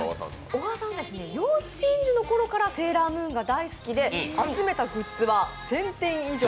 小川さんは幼稚園児のころから「セーラームーン」が大好きで集めたグッズは１０００点以上。